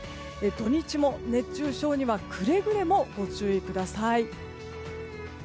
土日も熱中症にはくれぐれもご注意ください。